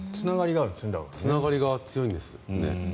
つながりが強いんです。